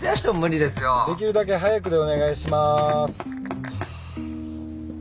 できるだけ早くでお願いします。